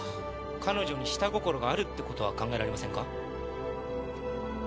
彼女に下心があるってことは考えられませんか？